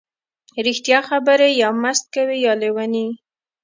ـ رښتیا خبرې یا مست کوي یا لیوني.